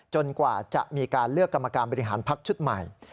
กว่าจะมีการเลือกกรรมการบริหารพักชุดใหม่